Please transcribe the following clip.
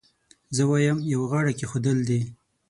زه وایم یو غاړه کېښودل دي.